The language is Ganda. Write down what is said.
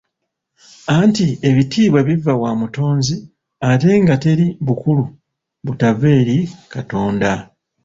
Anti ebitiibwa biva wa mutonzi ate nga teri bukulu butava eri Katonda.